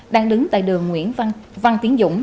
đang đứng tại đường nguyễn văn tiến dũng